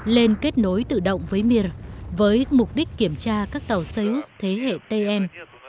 lên kết nối tự động với mir với mục đích kiểm tra các tàu sius thế hệ tm